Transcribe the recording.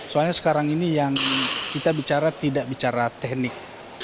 soalnya sekarang ini yang kita bicara tidak bicara teknik